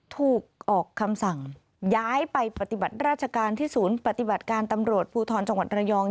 ถูกออกคำสั่งย้ายไปปฏิบัติราชการที่ศูนย์ปฏิบัติการตำรวจภูทรจังหวัดระยอง